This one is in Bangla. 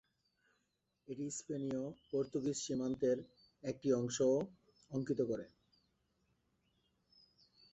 এটি স্পেনীয়-পর্তুগিজ সীমান্তের একটি অংশও অঙ্কিত করে।